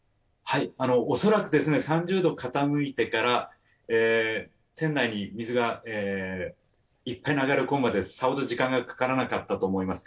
恐らく３０度傾いてから、船内に水がいっぱい流れ込むまでさほど時間がかからなかったと思います。